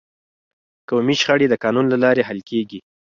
قومي شخړې د قانون له لارې حل کیږي.